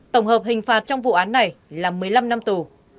tổng hợp hình phạt trong vụ án này là một mươi năm năm tù